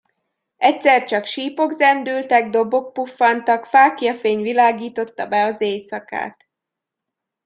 Egyszer csak sípok zendültek, dobok puffantak, fáklyafény világította be az éjszakát.